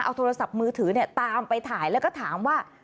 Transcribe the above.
เอาโทรศัพท์มือถือตามไปถ่ายแล้วก็ถามว่า